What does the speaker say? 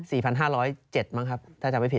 พันห้าร้อยเจ็ดมั้งครับถ้าจำไม่ผิด